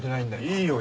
いいよ